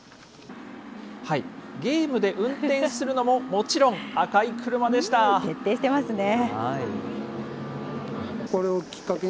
ゲームで運転するのも、もちろん徹底してますね。